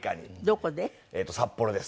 どこで？